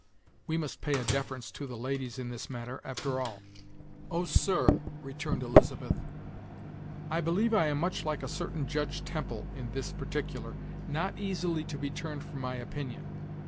We must pay a deference to the ladies in this matter, after all." "Oh, sir!" returned Elizabeth, "I believe I am much like a certain Judge Temple in this particular not easily to be turned from my opinion.